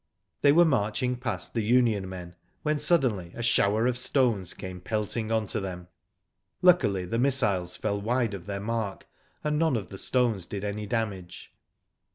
They were marching past the union men when suddenly a shower of stones came pelting on to them. Luckily the missiles fell wide of their mark, and none of the stones did any damage.